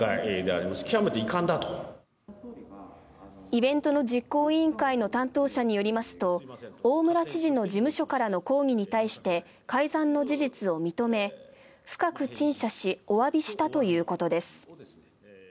イベントの実行委員会の担当者によりますと大村知事の事務所からの抗議に対して改ざんの事実を認め深く陳謝しおわびしたということです。